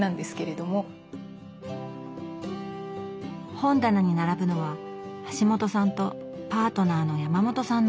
本棚に並ぶのは橋本さんとパートナーの山本さんの蔵書。